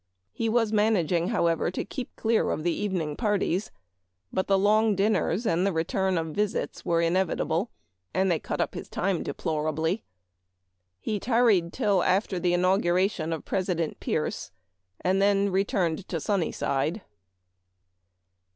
He was managing, however, to keep clear of the evening parties, but the long dinners and return of visits were inevitable, and " cut up his time deplorably." He tarried till after the inaugu ration of President Pierce, and then returned to Sunnyside.